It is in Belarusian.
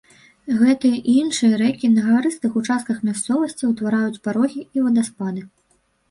Гэтыя і іншыя рэкі на гарыстых участках мясцовасці ўтвараюць парогі і вадаспады.